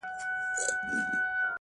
له هر ماښامه تر سهاره بس همدا کیسه وه.!